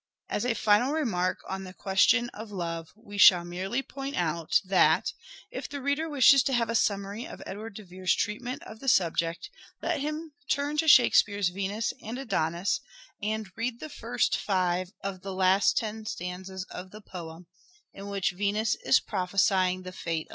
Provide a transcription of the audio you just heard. As a final remark on the question of love, we shall merely point out, that, if the reader wishes to have a summary of Edward de Vere's treatment of the subject, let him turn to Shakespeare's " Venus and Adonis " and read the first five of the last ten stanzas of the poem, in which Venus is prophesying the fate of love.